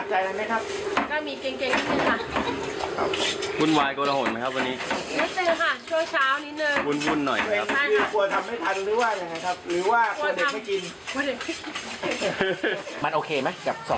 หรือว่าอย่างไรครับหรือว่าปวดเด็กให้กิน